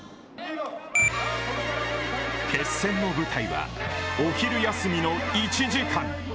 決戦の舞台はお昼休みの１時間。